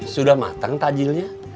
sudah mateng tajilnya